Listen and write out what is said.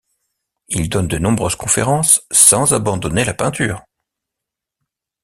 Il donne de nombreuses conférences, sans abandonner la peinture.